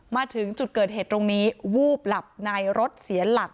มาถึงจุดเกิดเหตุตรงนี้วูบหลับในรถเสียหลัก